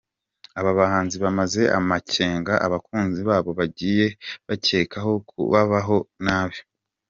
Aba bahanzi bamaze amakenga abakunzi babo bagiye bakeka ko babaho nabi.